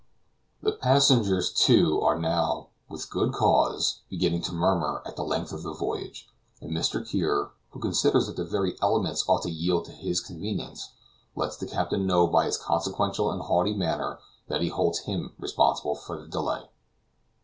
The passengers too are now, with good cause, beginning to murmur at the length of the voyage, and Mr. Kear, who considers that the very elements ought to yield to his convenience, lets the captain know by his consequential and haughty manner that he holds him responsible for the delay.